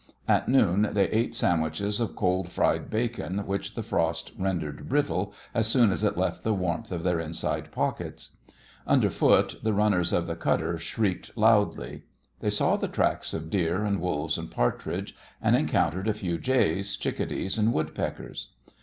At noon they ate sandwiches of cold fried bacon, which the frost rendered brittle as soon as it left the warmth of their inside pockets. Underfoot the runners of the cutter shrieked loudly. They saw the tracks of deer and wolves and partridge, and encountered a few jays, chickadees, and woodpeckers.